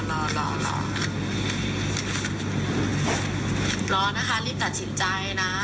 รอรอนะคะรีบตัดสินใจนะ